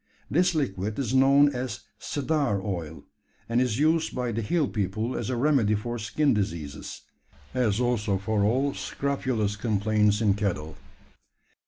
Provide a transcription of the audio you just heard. This liquid is known as "cedar oil;" and is used by the hill people as a remedy for skin diseases as also for all scrofulous complaints in cattle.